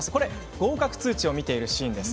合格通知を見ているシーンです。